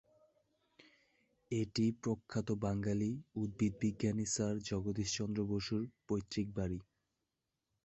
এটি প্রখ্যাত বাঙালি উদ্ভিদবিজ্ঞানী স্যার জগদীশ চন্দ্র বসুর পৈতৃক বাড়ি।